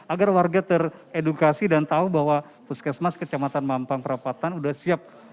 agar warga teredukasi dan tahu bahwa puskesmas kecamatan mampang perapatan sudah siap